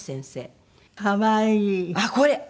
あっこれ！